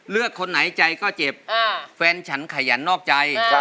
คนไหนใจก็เจ็บแฟนฉันขยันนอกใจ